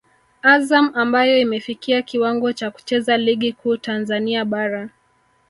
Azam ambayo imefikia kiwango cha kucheza ligi kuu Tanzania bara